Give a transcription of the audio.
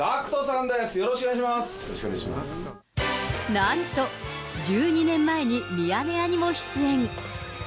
なんと、１２年前にミヤネ屋にも出演。